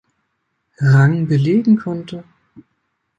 Rang belegen konnte.